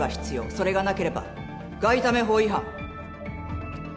それがなければ外為法違反。